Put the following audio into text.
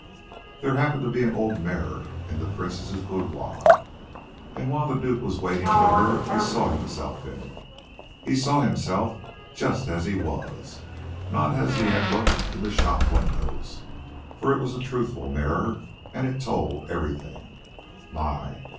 "There happened to be an old mirror in the princess's boudoir, and while the duke was waiting for her he saw himself in it. He saw himself just as he was, not as he had looked in the shop windows, for it was a truthful mirror and it told everything. My!